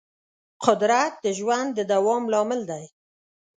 قدرت د ژوند د دوام لامل دی.